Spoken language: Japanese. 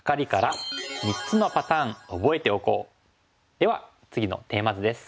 では次のテーマ図です。